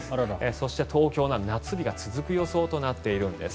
そして、東京は夏日が続く予想となっているんです。